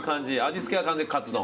味付けは完全にカツ丼？